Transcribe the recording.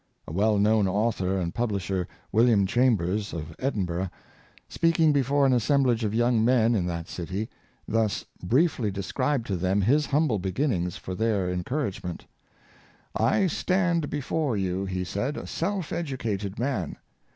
A well known author and publisher, William Chambers, of Edinburgh, speaking before an assemblage of young men in that city, thus briefly described to them his humble begin nings, for their encouragement: " I stand before you,'^ he said, " a self educated man.